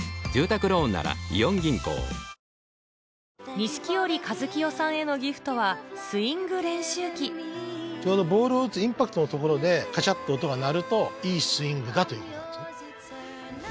錦織一清さんへのギフトはちょうどボールを打つインパクトのところでカチャっと音が鳴るといいスイングだということなんですね。